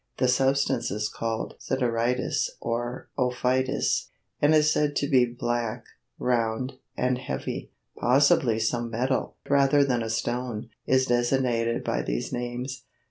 The substance is called "sideritis" or "ophitis," and is said to be black, round, and heavy; possibly some metal, rather than a stone, is designated by these names.